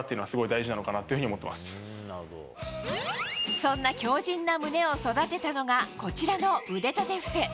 そんな強靭な胸を育てたのがこちらの腕立て伏せ。